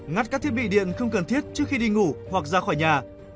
ngắt các thiết bị điện không cần thiết trước khi đi ngủ hoặc ra khỏi nhà